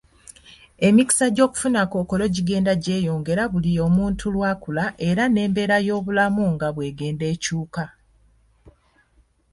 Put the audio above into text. Emikisa gy'okufuna kookolo gigenda gyeyongera buli omuntu lwakula era n'embeera y'obulamu nga bw'egenda ekyuka